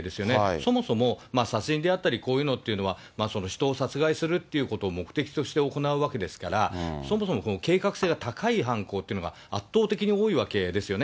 そもそも殺人であったり、こういうのっていうのは、人を殺害するっていうことを目的として行うわけですから、そもそも計画性が高い犯行っていうのが、圧倒的に多いわけですよね。